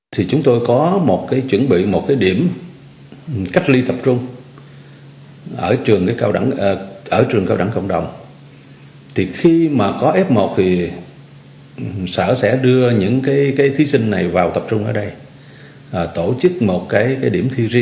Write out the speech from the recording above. trường hợp có thí sinh f một địa phương đã chuẩn bị địa điểm cách ly và sẽ đưa thí sinh f một tập trung và tổ chức thi riêng tại đây